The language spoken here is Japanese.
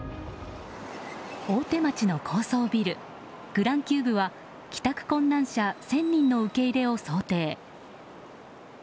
大手町の高層ビルグランキューブは帰宅困難者１０００人の受け入れを想定。